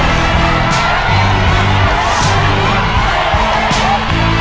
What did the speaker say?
เพื่อชิงทุนต่อชีวิตสุด๑ล้านบาท